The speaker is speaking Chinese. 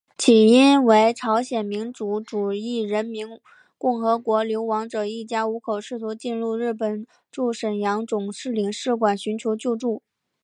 起因为朝鲜民主主义人民共和国流亡者一家五口试图进入日本驻沈阳总领事馆寻求救助。